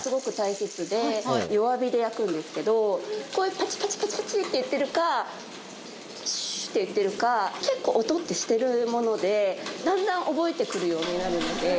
こういうパチパチパチパチっていってるかシュっていってるか結構音ってしてるものでだんだん覚えて来るようになるので。